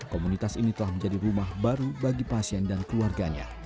komunitas ini telah menjadi rumah baru bagi pasien dan keluarganya